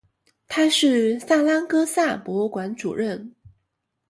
他是萨拉戈萨博物馆主任。